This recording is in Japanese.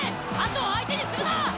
後は相手にするな！